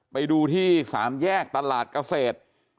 ไปดูที่๓แยกตลาดเกษตร